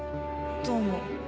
どうも。